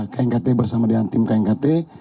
kkt bersama dengan tim kkt